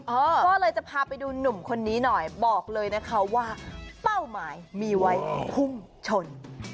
ก็เลยจะพาไปดูหนุ่มคนนี้หน่อยบอกเลยนะคะว่าเป้าหมายมีไว้พุ่งชน